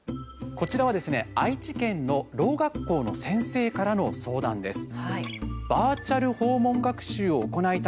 こちらはですね、愛知県のろう学校の先生からの相談です。